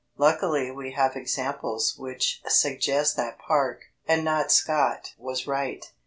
Luckily we have examples which suggest that Park and not Scott was right.